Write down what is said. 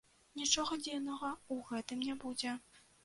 Нічога дзіўнага ў гэтым не будзе.